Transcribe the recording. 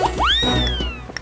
ya tapi tapi mister